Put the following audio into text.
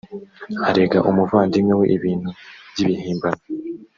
arega umuvandimwe we ibintu by’ibihimbano.